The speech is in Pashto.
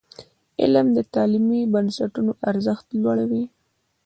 علم د تعلیمي بنسټونو ارزښت لوړوي.